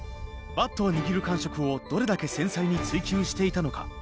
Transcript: バットを握る感触をどれだけ繊細に追求していたのか。